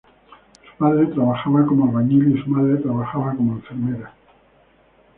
Su padre trabajaba como albañil y su madre trabajaba como enfermera.